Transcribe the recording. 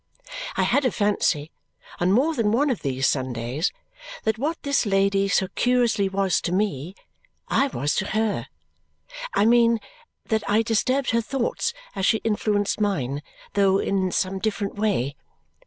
I had a fancy, on more than one of these Sundays, that what this lady so curiously was to me, I was to her I mean that I disturbed her thoughts as she influenced mine, though in some different way.